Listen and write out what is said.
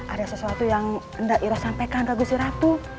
ada sesuatu yang enggak nyiiroh sampaikan ke gusiratu